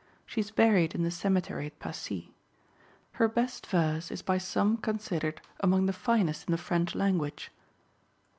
She is buried in the cemetery at Passy. Her best verse is by some considered among the finest in the French language.